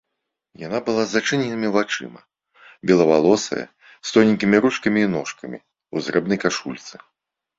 Яна была з зачыненымі вачыма, белавалосая, з тоненькімі ручкамі і ножкамі, у зрэбнай кашульцы.